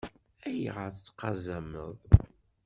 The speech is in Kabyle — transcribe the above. Ayɣer tettqazameḍ?